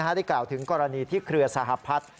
ได้กล่าวถึงกรณีที่เครือสหพัฒน์